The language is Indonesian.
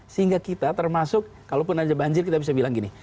sehingga kita termasuk kalaupun ada banjir kita bisa bilang gini